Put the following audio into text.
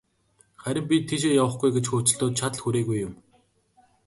Харин би тийшээ явахгүй гэж хөөцөлдөөд, чадал хүрээгүй юм.